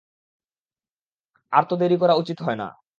আর তো দেরি করা উচিত হয় না।